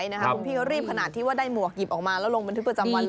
คุณพี่พี่ก็รีบขนาดที่ได้หมวกหยิบมาแล้วลงบัณฑฤประจำวันเลย